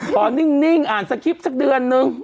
พอนิ่งอ่านสคริปต์สักเดือนนึง